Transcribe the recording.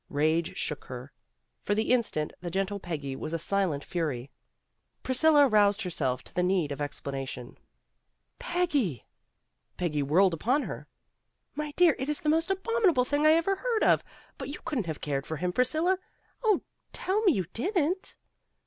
Rage shook her. For the instant, the gentle Peggy was a silent fury. Priscilla roused herself to the need of ex planation. '* Peggy !'' Peggy whirled upon her. "My dear, it is the most abominable thing I ever heard of, but you couldn't have cared for him, Priscilla. Oh, tell me you didn't."